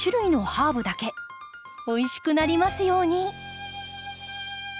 おいしくなりますように。